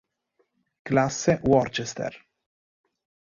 Classe Worcester